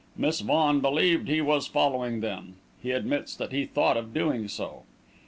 Miss Vaughan believed he was following them; he admits that he thought of doing so.